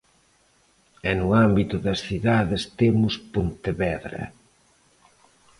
E no ámbito das cidades temos Pontevedra.